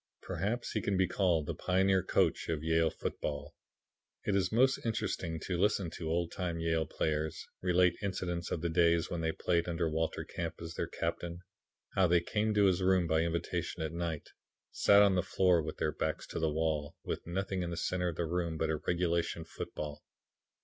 Perhaps he can be called the pioneer coach of Yale football. It is most interesting to listen to old time Yale players relate incidents of the days when they played under Walter Camp as their captain: how they came to his room by invitation at night, sat on the floor with their backs to the wall, with nothing in the center of the room but a regulation football.